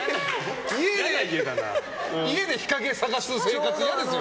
家で日陰を探す生活嫌ですよ。